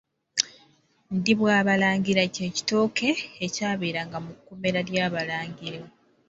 Ndiibwabalangira kye kitooke ekyabeeranga mu kkomera ly’Abalangira.